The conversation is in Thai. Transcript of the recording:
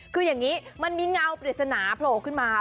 คืออย่างนี้มันมีเงาปริศนาโผล่ขึ้นมา